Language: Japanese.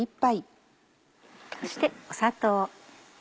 そして砂糖。